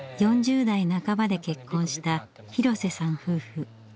４０代半ばで結婚した廣瀬さん夫婦。